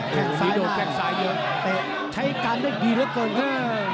แข่งซ้ายมาใช้การได้ดีเหลือเกินครับ